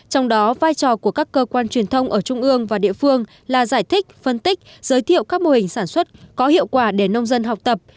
trong đó vai trò của các cơ quan truyền thông ở trung ương và địa phương là giải thích phân tích giới thiệu các mô hình sản xuất có hiệu quả để nông dân học tập